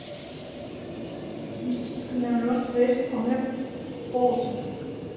In the Tuscan and Roman Doric capital, it may rest on a boltel.